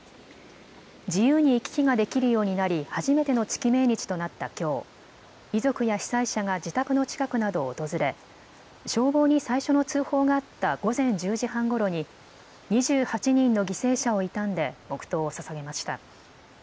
自由に行き来ができるようになり初めての月命日となったきょう遺族や被災者が自宅の近くなどを訪れ消防に最初の通報があった午前１０時半ごろに２８人の犠牲者を悼んで黙とうをささげました。